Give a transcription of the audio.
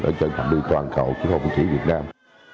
ở trên toàn cầu chứ không chỉ việt nam